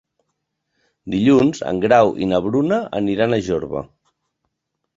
Dilluns en Grau i na Bruna aniran a Jorba.